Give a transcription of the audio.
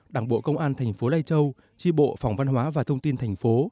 đảng bộ công an thành phố lai châu tri bộ phòng văn hóa và thông tin thành phố